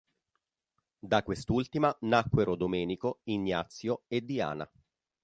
Da quest'ultima, nacquero Domenico, Ignazio e Diana.